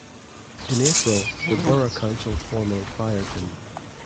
In April the borough council formally fired him.